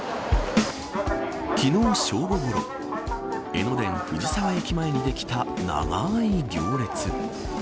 昨日、正午ごろ江ノ電藤沢駅前にできた長い行列。